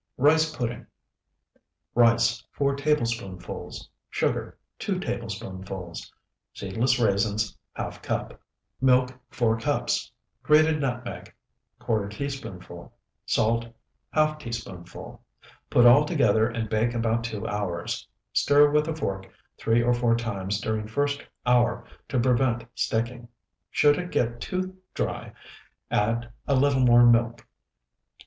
RICE PUDDING Rice, 4 tablespoonfuls. Sugar, 2 tablespoonfuls. Seedless raisins, ½ cup. Milk, 4 cups. Grated nutmeg, ¼ teaspoonful. Salt, ½ teaspoonful. Put all together and bake about two hours. Stir with a fork three or four times during first hour to prevent sticking. Should it get too dry, add a little more milk.